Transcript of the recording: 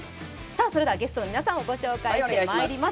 それでは、ゲストの皆さんをご紹介してまいります。